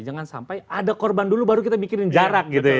jangan sampai ada korban dulu baru kita mikirin jarak gitu ya